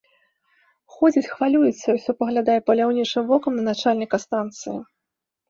Ходзіць, хвалюецца і ўсё паглядае паляўнічым вокам на начальніка станцыі.